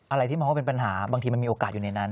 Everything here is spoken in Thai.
อะไรที่มองว่าเป็นปัญหาบางทีมันมีโอกาสอยู่ในนั้น